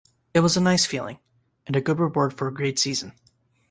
It was a nice feeling, and a good reward for a great season.